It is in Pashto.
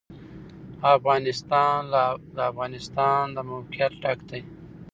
افغانستان له د افغانستان د موقعیت ډک دی.